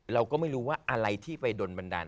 เราก็ไม่รู้ว่าอะไรที่ไปโดนบันดาล